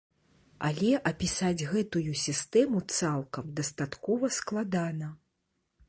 Але апісаць гэтую сістэму цалкам дастаткова складана.